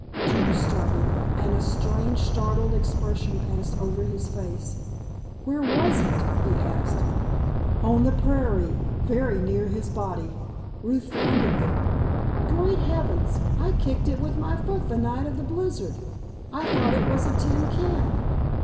Joe started, and a strange startled expression passed over his face. "Where was it?" he asked. "On the prairie, very near his body. Ruth found it there." "Great heavens! I kicked it with my foot the night of the blizzard! I thought it was a tin can.